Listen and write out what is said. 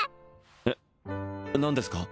えっ何ですか？